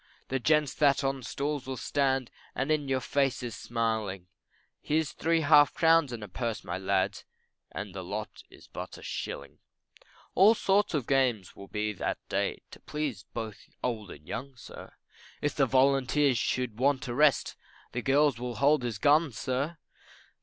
The gents that on the stools will stand, And in your faces smiling, Hear's three half crowns and a purse, my lads, And the lot is but a shilling. All sorts of games will be that day, To please both old and young, sir; If the volunteers should want a rest, The girls will hold his gun, sir.